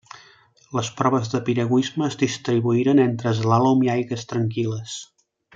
Les proves de piragüisme es distribuïren entre eslàlom i aigües tranquil·les.